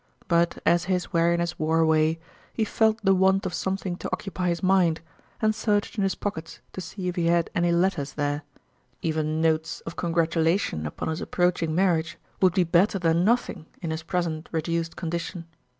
But as his weariness wore away, he felt the want of something to occupy his mind, and searched in his pockets to see if he had any letters there even notes of congratulation upon his approaching marriage would be better than nothing in his present reduced condition.